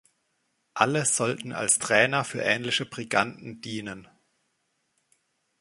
Alle sollten als Trainer für ähnliche Briganten dienen.